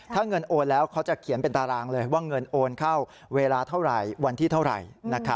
ถ้าเงินโอนแล้วเขาจะเขียนเป็นตารางเลยว่าเงินโอนเข้าเวลาเท่าไหร่วันที่เท่าไหร่